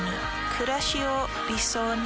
くらしを理想に。